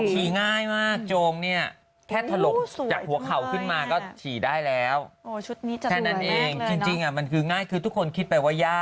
ฉี่ง่ายมากโจงเนี่ยแค่ถลกจากหัวเข่าขึ้นมาก็ฉี่ได้แล้วแค่นั้นเองจริงมันคือง่ายคือทุกคนคิดไปว่ายาก